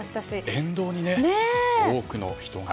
沿道に多くの人が。